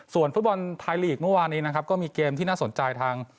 ส่วนฟุตบอลไทยลีกเมื่อวานนี้นะครับก็มีเกมที่น่าสนใจทาง